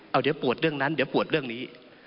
เอาเดี๋ยวปวดเรื่องนั้นเดี๋ยวปวดเรื่องนี้